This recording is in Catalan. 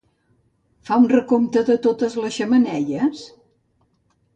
Fa un recompte de totes les xemeneies?